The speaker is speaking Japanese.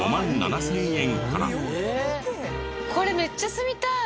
これめっちゃ住みたい！